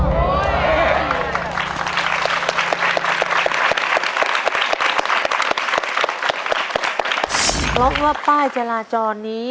เพราะว่าป้ายจราจรนี้